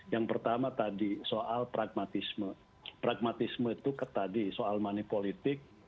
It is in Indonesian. yang pertama tadi soal pragmatisme pragmatisme itu ketadi soal manipolitik